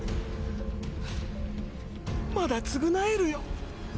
まだ償えるよ。